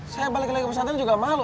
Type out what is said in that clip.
saya balik lagi ke pesantren juga malu